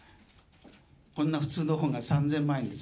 こんな普通の本が３０００万円です。